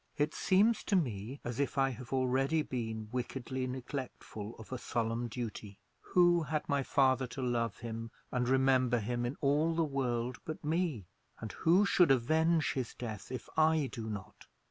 "It seems to me as if I have already been wickedly neglectful of a solemn duty. Who had my father to love him and remember him in all the world but me? and who should avenge his death if I do not?